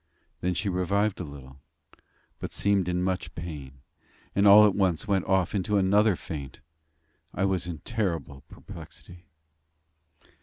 Then she revived a little; but seemed in much pain, and all at once went off into another faint. I was in terrible perplexity.